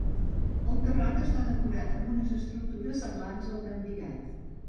El terrat està decorat amb unes estructures semblants a un embigat.